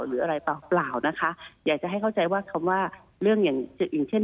หรืออะไรอยากจะให้เข้าใจคำว่าเรื่องอย่างเจ็บตน